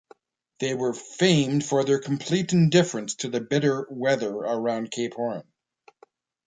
They were famed for their complete indifference to the bitter weather around Cape Horn.